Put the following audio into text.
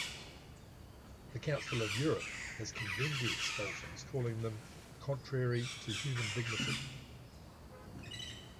The Council of Europe has condemned the expulsions, calling them "contrary to human dignity".